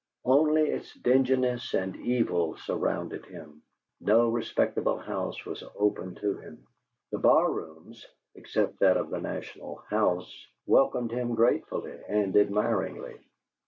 Only its dinginess and evil surrounded him; no respectable house was open to him; the barrooms except that of the "National House" welcomed him gratefully and admiringly.